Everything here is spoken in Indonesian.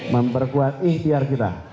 memperkuat ikhtiar kita